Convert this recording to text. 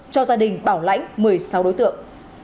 cho gia đình bảo lãnh một mươi sáu đối tượng